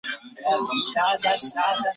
县治切斯特菲尔德。